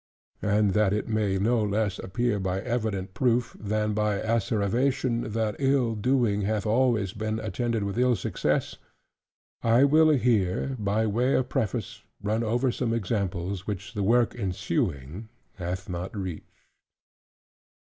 And that it may no less appear by evident proof, than by asseveration, that ill doing hath always been attended with ill success; I will here, by way of preface, run over some examples, which the work ensuing hath not reached.